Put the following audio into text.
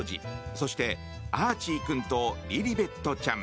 そしてアーチー君とリリベットちゃん。